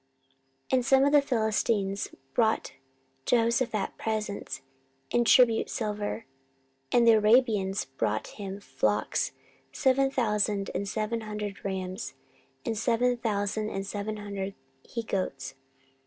14:017:011 Also some of the Philistines brought Jehoshaphat presents, and tribute silver; and the Arabians brought him flocks, seven thousand and seven hundred rams, and seven thousand and seven hundred he goats.